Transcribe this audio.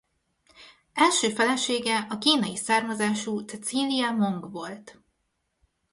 Első felesége a kínai származású Cecilia Mong volt.